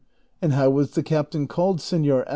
" And how was the captain called, senor